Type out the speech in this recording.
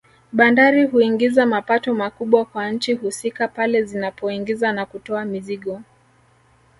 Bandari huingiza mapato makubwa kwa nchi husika pale zinapoingiza na kutoa mizigo